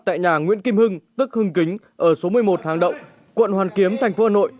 tại nhà nguyễn kim hưng tức hưng kính ở số một mươi một hàng động quận hoàn kiếm thành phố hà nội